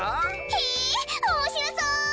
へえおもしろそう。